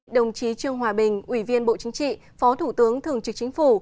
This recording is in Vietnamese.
đồng chí trương hòa bình ủy viên bộ chính trị phó thủ tướng thường trực chính phủ